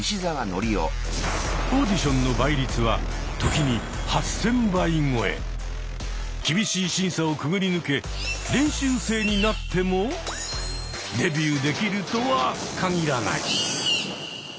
オーディションの倍率は時に厳しい審査をくぐり抜け練習生になってもデビューできるとは限らない。